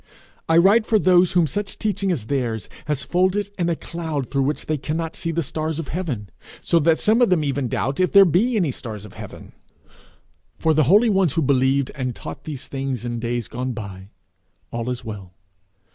I write for those whom such teaching as theirs has folded in a cloud through which they cannot see the stars of heaven, so that some of them even doubt if there be any stars of heaven. For the holy ones who believed and taught these things in days gone by, all is well.